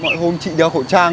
mọi hôm chị đeo khẩu trang